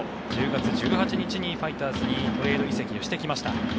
１０月１８日にファイターズにトレード移籍をしてきました。